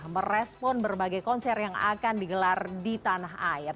merespon berbagai konser yang akan digelar di tanah air